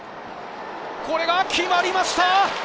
これが決まりました！